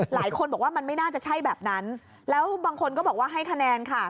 หลายคนบอกว่ามันไม่น่าจะใช่แบบนั้นแล้วบางคนก็บอกว่าให้คะแนนค่ะ